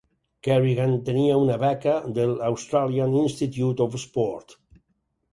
Carrigan tenia una beca de l'Australian Institute of Sport.